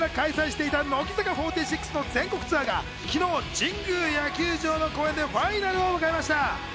７月から開催していた乃木坂４６の全国ツアーが昨日、神宮野球場の公演でファイナルを迎えました。